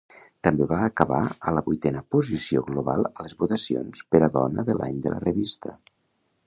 També va acabar a la vuitena posició global a les votacions per a Dona de l'Any de la revista.